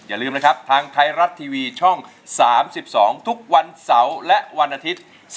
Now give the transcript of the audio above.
อย่าลืมนะครับทางไทยรัฐทีวีช่อง๓๒ทุกวันเสาร์และวันอาทิตย์